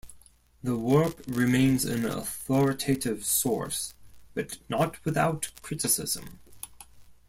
The work remains an authoritative source, but not without criticism.